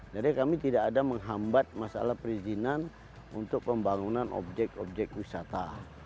jadi kami tidak ada menghambat masalah perizinan untuk pembangunan objek objek wisata